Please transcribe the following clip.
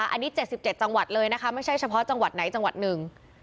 อันนี้๗๗จังหวัดเลยนะคะไม่ใช่เฉพาะจังหวัดไหนจังหวัดหนึ่ง